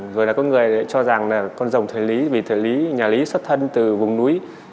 rồi là có người cho rằng là con rồng thời lý vì nhà lý xuất thân từ vùng núi